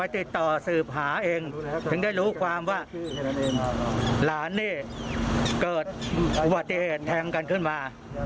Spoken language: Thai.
ถึงได้รู้ความว่าหลานนี่เกิดประโยชน์อุบัติเหตุแทงกันขึ้นมา